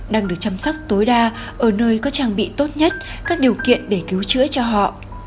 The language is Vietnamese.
đang được chăm sóc tối đa ở nơi có trang bị tốt nhất các điều kiện để cứu chữa cho họ